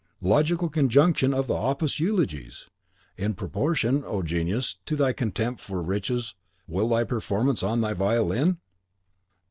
Logical conjunction of opposite eulogies! In proportion, O Genius, to thy contempt for riches will be thy performance on thy violin!